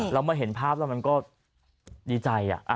แล้วมาเห็นภาพแล้วมันก็ดีใจอ่ะ